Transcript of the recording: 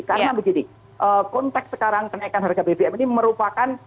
karena begini konteks sekarang kenaikan harga bbm ini merupakan